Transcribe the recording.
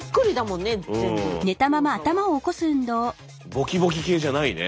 ボキボキ系じゃないね。